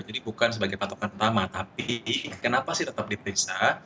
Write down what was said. jadi bukan sebagai patokan utama tapi kenapa sih tetap dipisah